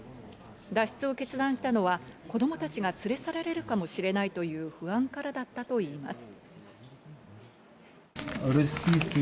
脱出を決断したのは子供たちが連れ去られるかもしれないという不安からだったといいます。